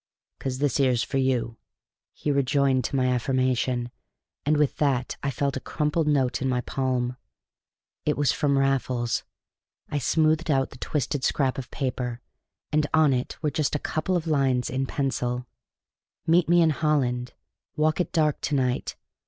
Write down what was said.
"'Cause this 'ere's for you," he rejoined to my affirmative, and with that I felt a crumpled note in my palm. It was from Raffles. I smoothed out the twisted scrap of paper, and on it were just a couple of lines in pencil: "Meet me in Holland Walk at dark to night.